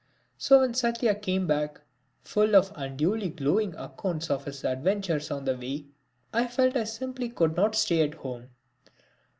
So when Satya came back, full of unduly glowing accounts of his adventures on the way, I felt I simply could not stay at home.